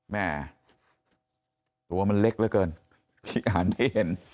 แม่ตัวมันเล็กเหลือเกินพี่อ่านให้เห็น